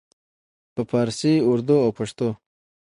په پارسي، اردو او پښتو